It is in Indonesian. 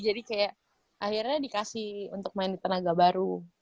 jadi kayak akhirnya dikasih untuk main di tenaga baru